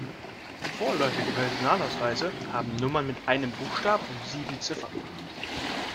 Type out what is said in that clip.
Vorläufige Personalausweise haben Nummern mit einem Buchstaben und sieben Ziffern.